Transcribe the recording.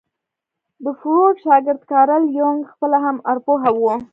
د فروډ شاګرد کارل يونګ خپله هم ارواپوه وو.